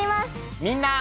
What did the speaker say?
みんな！